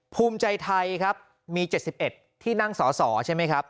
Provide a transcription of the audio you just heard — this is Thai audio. ภูมิใจไทยครับมี๗๑ที่นั่งสอสอใช่ไหมครับ